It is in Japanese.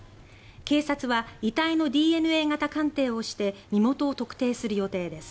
警察は遺体のＤＮＡ型鑑定をして身元を特定する予定です。